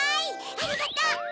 ありがとう！